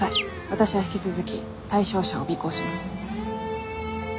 私は引き続き対象者を尾行します。